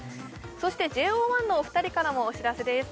そしてＪＯ１のお二人からもお知らせです